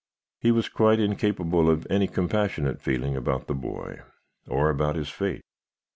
He was quite incapable of any compassionate feeling about the boy, or about his fate.